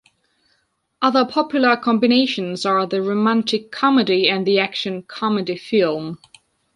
Other popular combinations are the romantic comedy and the action comedy film.